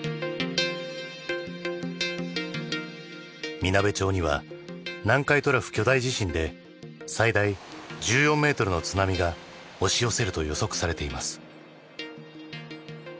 みなべ町には南海トラフ巨大地震で最大１４メートルの津波が押し寄せると予測されています。